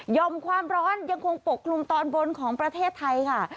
่อมความร้อนยังคงปกคลุมตอนบนของประเทศไทยค่ะ